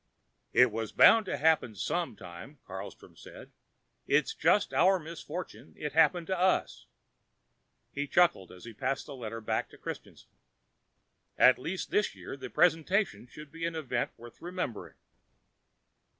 "It was bound to happen sometime," Carlstrom said. "It's just our misfortune that it happened to us." He chuckled as he passed the letter back to Christianson. "At least this year the presentation should be an event worth remembering."